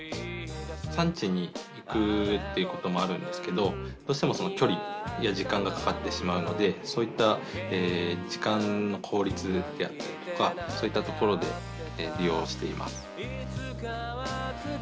産地に行くっていうこともあるんですけどどうしてもきょりや時間がかかってしまうのでそういった時間の効率であったりとかそういったところで利用しています。